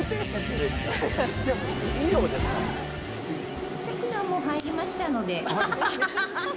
じゃあ管はもう入りましたので。